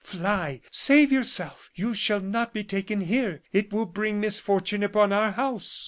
"Fly, save yourself. You shall not be taken here; it will bring misfortune upon our house!"